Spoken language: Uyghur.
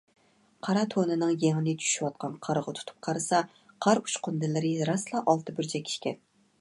قارا تونىنىڭ يېڭىنى چۈشۈۋاتقان قارغا تۇتۇپ قارىسا، قار ئۇچقۇندىلىرى راستلا ئالتە بۇرجەك ئىكەن.